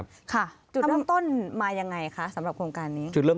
สนุนโดยอีซุสุข